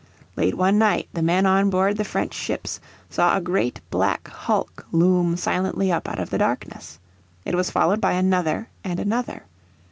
Late one night the men on board the French ships saw a great black hulk loom silently up out of the darkness. It was followed by another and another.